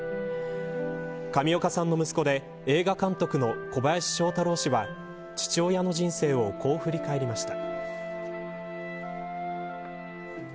上岡さんの息子で映画監督の小林聖太郎氏は父親の人生をこう振り返りました。